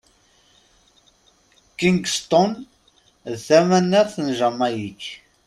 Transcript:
Kingston d tamaxt n Jamayik.